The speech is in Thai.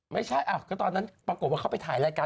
ไม่ใช่ก็ตอนนั้นปรากฏว่าเขาไปถ่ายรายการ